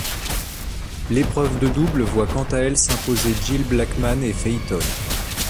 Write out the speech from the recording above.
L'épreuve de double voit quant à elle s'imposer Jill Blackman et Fay Toyne.